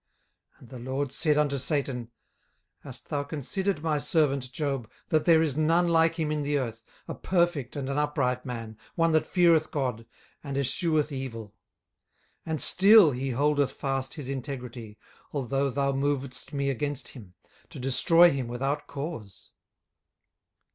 18:002:003 And the LORD said unto Satan, Hast thou considered my servant Job, that there is none like him in the earth, a perfect and an upright man, one that feareth God, and escheweth evil? and still he holdeth fast his integrity, although thou movedst me against him, to destroy him without cause.